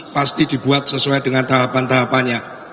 pasti dibuat sesuai dengan tahapan tahapannya